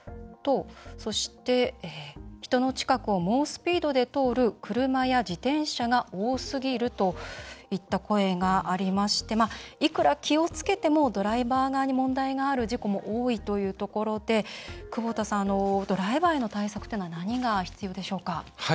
そして「人の近くを猛スピードで通る車や自転車が多すぎる」といった声がありましていくら気をつけてもドライバー側に問題がある事故も多いというところで久保田さん、ドライバーへの対策何が必要でしょうか？